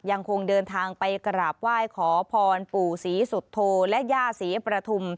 ยังคงเดินทางไปกราบไหว้ขอพรปู่ศรีสุโธและย่าศรีประทุม